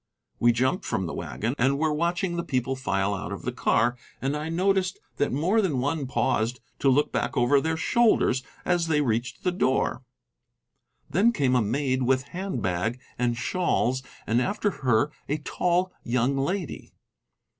We jumped from the wagon and were watching the people file out of the car, and I noticed that more than one paused to look back over their shoulders as they reached the door. Then came a maid with hand bag and shawls, and after her a tall young lady.